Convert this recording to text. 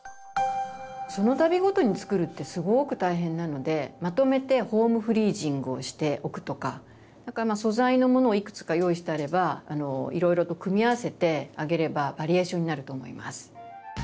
そのたびごとに作るってすごく大変なのでまとめてホームフリージングをしておくとか素材のものをいくつか用意してあればいろいろと組み合わせてあげればバリエーションになると思います。